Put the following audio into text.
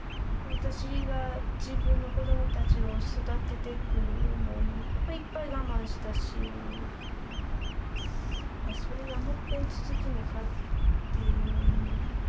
私が自分の子どもたちを育ててくるのにいっぱい我慢したしそれがもっぺん続くのかっていう